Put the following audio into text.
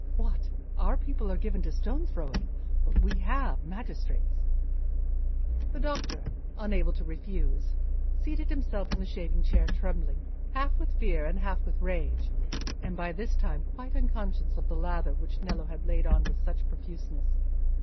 What! our people are given to stone throwing; but we have magistrates." The doctor, unable to refuse, seated himself in the shaving chair, trembling, half with fear and half with rage, and by this time quite unconscious of the lather which Nello had laid on with such profuseness.